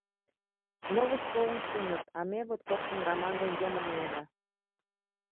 — Молышт толын шуыныт, а ме вот коктын Раман дене йомын улына.